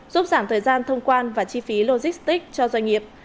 giúp giảm thời gian thông quan và chi phí logistics cho doanh nghiệp